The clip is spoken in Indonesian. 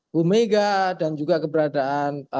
bumega dan juga keberadaan